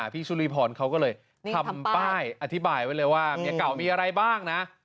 พี่สุริพรเขาก็เลยทำป้ายอธิบายไว้เลยว่าเมียเก่ามีอะไรบ้างนะ